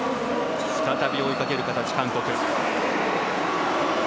再び追いかける形、韓国。